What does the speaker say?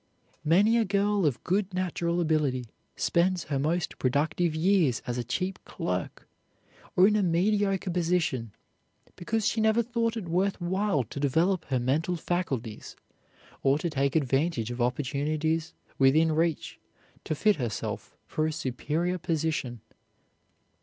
Many a girl of good natural ability spends her most productive years as a cheap clerk, or in a mediocre position because she never thought it worth while to develop her mental faculties or to take advantage of opportunities within reach to fit herself for a superior position.